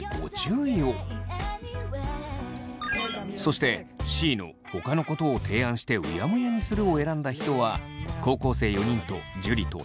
そしてＣの「他のことを提案してうやむやにする」を選んだ人は高校生４人と樹と大我。